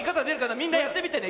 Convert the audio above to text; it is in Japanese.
みんなやってみてね。